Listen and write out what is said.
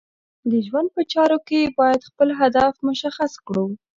د ژوند په چارو کې باید خپل هدف مشخص کړو.